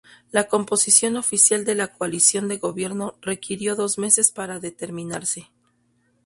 La composición oficial de la coalición de gobierno requirió dos meses para determinarse.